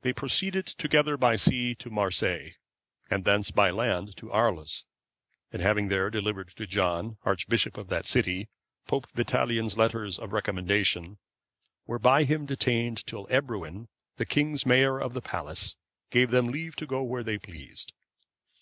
(527) They proceeded together by sea to Marseilles, and thence by land to Arles, and having there delivered to John, archbishop of that city,(528) Pope Vitalian's letters of recommendation, were by him detained till Ebroin,(529) the king's mayor of the palace, gave them leave to go where they pleased.